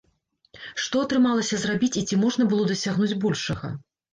Што атрымалася зрабіць і ці можна было дасягнуць большага?